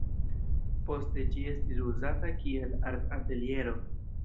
Poste ĝi estis uzata kiel art-ateliero.